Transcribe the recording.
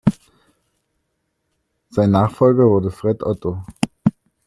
Sein Nachfolger wurde Fred Otto.